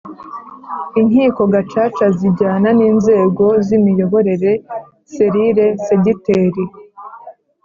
Inkiko gacaca zijyana n inzego z imiyoborere serire segiteri